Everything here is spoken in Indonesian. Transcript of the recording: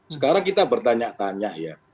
sekarang kita bertanya tanya ya